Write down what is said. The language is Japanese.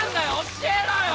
教えろよ。